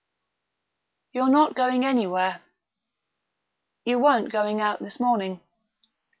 "You're not going anywhere. You weren't going out this morning.